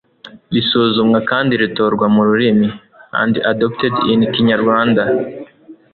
risuzumwa kandi ritorwa mu rurimi and adopted in Kinyarwanda